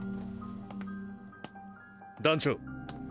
団長！